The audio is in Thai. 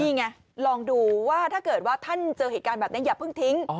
นี่ไงลองดูว่าถ้าเกิดว่าท่านเจอเหตุการณ์แบบนี้อย่าเพิ่งทิ้ง